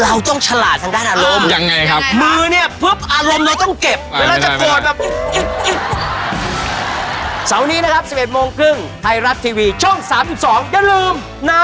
เราต้องฉลาดทางด้านอารมณ์มือเนี่ยอารมณ์เราต้องเก็บเวลาจะโกรธแบบ